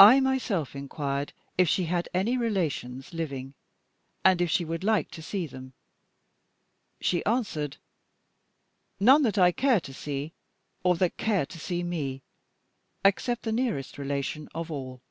I myself inquired if she had any relations living, and if she would like to see them. She answered: "None that I care to see, or that care to see me except the nearest relation of all."